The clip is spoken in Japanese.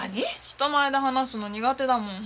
人前で話すの苦手だもん。